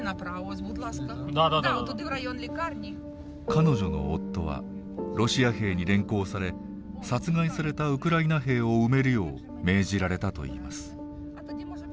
彼女の夫はロシア兵に連行され殺害されたウクライナ兵を埋めるよう命じられたといいます。